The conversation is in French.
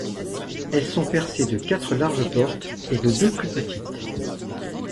Elles sont percées de quatre larges portes et de deux plus petites.